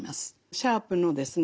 シャープのですね